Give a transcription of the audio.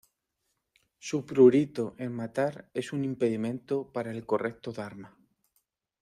Su prurito en matar es un impedimento para el correcto dharma.